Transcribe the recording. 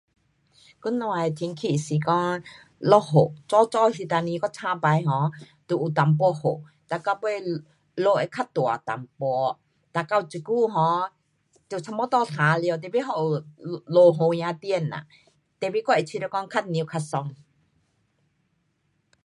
今天的天气是讲落雨，早早那当时我醒起 um 就有一点雨。哒到尾落会较大一点，哒到这久 um 就差不多晴了，tapi 还有落，落儿雨点呐。tapi 我有觉得讲较凉较爽。